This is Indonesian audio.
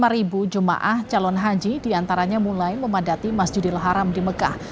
lima jemaah calon haji diantaranya mulai memadati masjidil haram di mekah